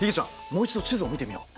もう一度地図を見てみよう。